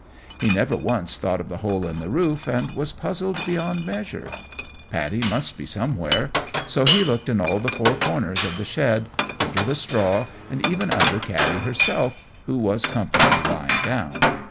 He never once thought of the hole in the roof, and was puzzled beyond measure. Paddy must be somewhere; so he looked in all the four corners of the shed, under the straw, and even under Katty herself, who was comfortably lying down.